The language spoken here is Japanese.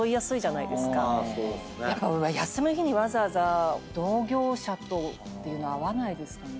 休みの日にわざわざ同業者とっていうの合わないですかね。